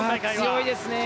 強いですね。